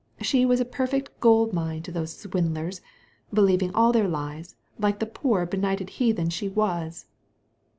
She was a perfect gold mine to those swindlers, believing all their lies, like the poor be nighted heathen she was."